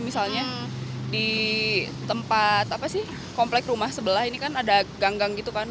misalnya di tempat apa sih komplek rumah sebelah ini kan ada ganggang gitu kan